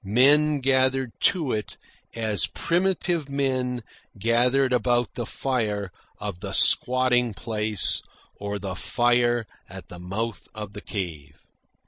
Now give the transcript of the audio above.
Men gathered to it as primitive men gathered about the fire of the squatting place or the fire at the mouth of the cave.